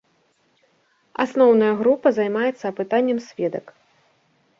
Асноўная група займаецца апытаннем сведак.